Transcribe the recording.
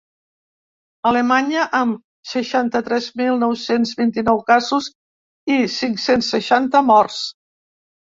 Alemanya, amb seixanta-tres mil nou-cents vint-i-nou casos i cinc-cents seixanta morts.